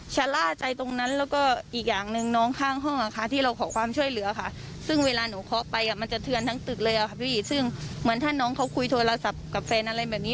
ซึ่งเหมือนถ้าน้องเขาคุยโทรศัพท์กับเฟนอะไรแบบนี้